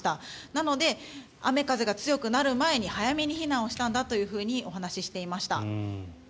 なので、雨風が強くなる前に早めに避難したんだというふうにお話していました。